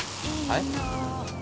はい？